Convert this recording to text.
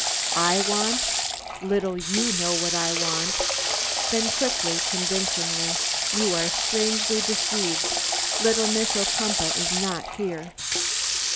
"I want? Little you know what I want" then quickly, convincingly: "You are strangely deceived. Little Miss Ocumpaugh is not here."